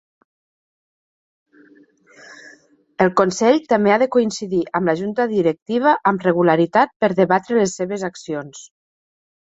El consell també ha de coincidir amb la junta directiva amb regularitat per debatre les seves accions.